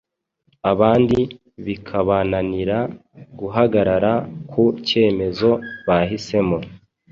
abandi bikabananira guhagarara ku cyemezo bahisemo